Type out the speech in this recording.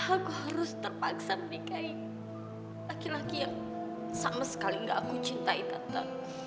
aku harus terpaksa menikahi laki laki yang sama sekali nggak aku cintai tentang